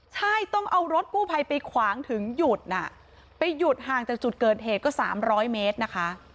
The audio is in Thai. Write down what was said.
ใช่ต้องเอารถกู้ภัยไปขวางถึงหยุดน่ะไปหยุดห่างจากจุดเกิดเหตุก็๓๐๐เมตรนะคะ